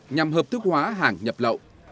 nhằm hợp thức hóa hàng nhập lậu